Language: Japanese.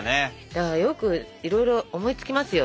だからよくいろいろ思いつきますよ